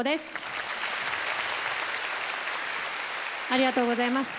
ありがとうございます。